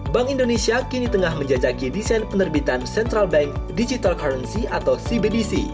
bank indonesia kini tengah menjajaki desain penerbitan central bank digital currency atau cbdc